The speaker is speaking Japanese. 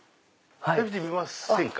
食べてみませんか？